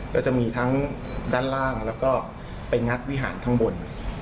ก็จะมีทั้งด้านล่างแล้วก็ไปงัดวิหารข้างบน